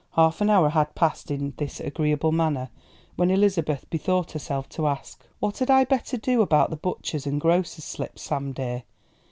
Half an hour had passed in this agreeable manner when Elizabeth bethought herself to ask, "What had I better do about the butcher's and grocer's slips, Sam dear?